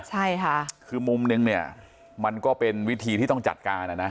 ใช่ค่ะคือมุมนึงเนี่ยมันก็เป็นวิธีที่ต้องจัดการอ่ะนะ